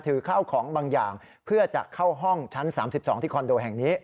ถือเข้าของบางอย่างเพื่อจะเข้าห้องชั้นสามสิบสองที่คอนโดแห่งนี้